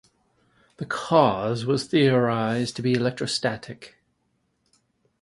The cause was theorized to be electrostatic.